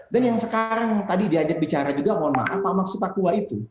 dan yang sekarang tadi diajak bicara juga mohon maaf pak maksipat ii itu